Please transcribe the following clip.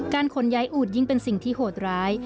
ขนย้ายอูดยิ่งเป็นสิ่งที่โหดร้าย